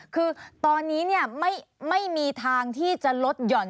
คือตอนนี้ไม่มีทางที่จะลดหย่อน